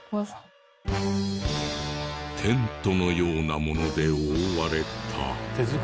テントのようなもので覆われた。